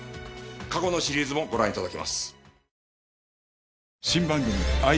過去のシリーズもご覧頂けます。